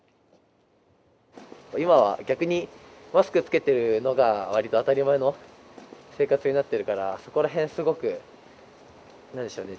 今は逆にマスクつけてるのがわりと当たり前の生活になってるからそこら辺すごく何でしょうね